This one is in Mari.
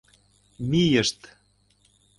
Мийышт.